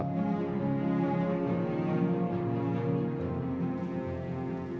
pekalian bertiga yang berangkat